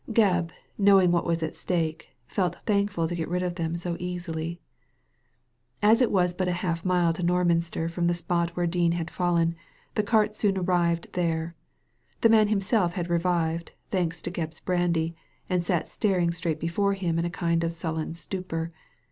Gebb, know ing what was at stake, felt thankful to get rid of them so easily. As it was but half a mile to Norminster from the spot where Dean had fallen, the cart soon arrived there. The man himself had revived, thanks to Gebb's brandy, and sat staring straight before him in a kind of sullen stupor.